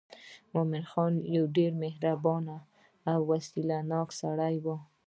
مومن خان یو ډېر مهربانه او وسیله ناکه سړی و.